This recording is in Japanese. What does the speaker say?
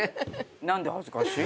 何で恥ずかしい？